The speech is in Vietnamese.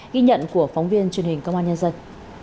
ghi nhận của phóng viên truyền hình công an nhân dân